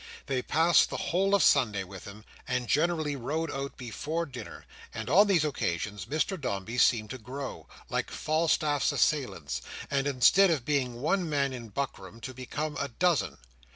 They passed the whole of Sunday with him, and generally rode out before dinner; and on these occasions Mr Dombey seemed to grow, like Falstaff's assailants, and instead of being one man in buckram, to become a dozen.